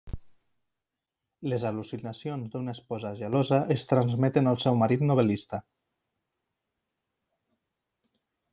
Les al·lucinacions d'una esposa gelosa es transmeten al seu marit novel·lista.